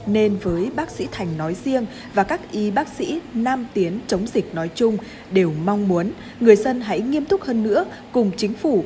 nên với bác sĩ thành nói riêng và các y bác sĩ nam tiến chống dịch nói chung đều mong muốn người dân hãy nghiêm túc hơn nữa cùng chính phủ